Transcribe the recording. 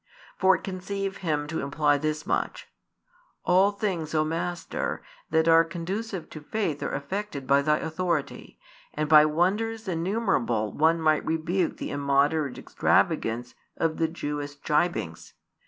For conceive him to imply this much: "All things, O Master, that are conducive to faith are effected by Thy authority, and by wonders innumerable one might rebuke the immoderate extravagance of the Jewish gibings.